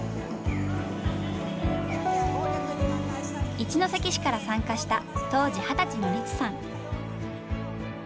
一関市から参加した当時二十歳のリツさん。